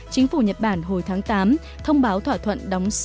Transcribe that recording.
chính phủ nhật bản hồi tháng tám